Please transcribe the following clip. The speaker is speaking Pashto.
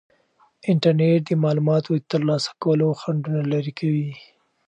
انټرنیټ د معلوماتو د ترلاسه کولو خنډونه لرې کوي.